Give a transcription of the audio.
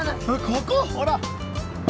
ここほら！